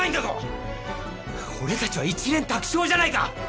俺たちは一蓮托生じゃないか。